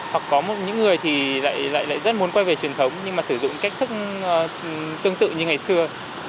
hoặc có những người thì lại rất muốn quay về truyền thống nhưng mà sử dụng cách thức tương tự như ngày xưa